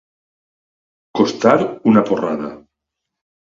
Costar una porrada.